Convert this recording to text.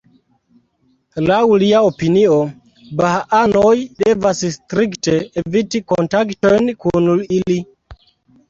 Laŭ lia opinio, bahaanoj devas strikte eviti kontaktojn kun ili.